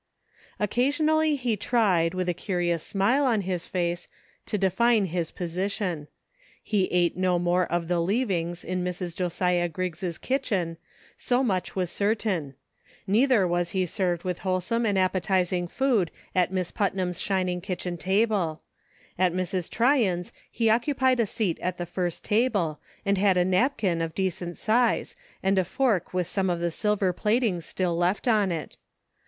Occa sionally he tried, with a curious smile on his face, to define his position. He ate no more of the "leavings" in Mrs. Josiah Griggs* kitchen, so 208 SEEKING STEPPING STONES. much was certain ; neither was he served with wholesome and appetizing food at Miss Putnam's shining kitchen table ; at Mrs, Tryon's he occu pied a seat at the first table, and had a napkm ot decent size and a fork with some of the silver plat ing still left on it.